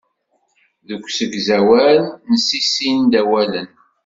Deg usegzawal, nessissin-d awalen.